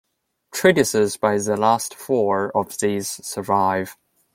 Treatises by the last four of these survive.